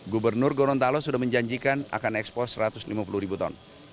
gubernur gorontalo sudah menjanjikan akan ekspor satu ratus lima puluh ribu ton